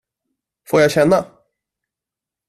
Får jag känna?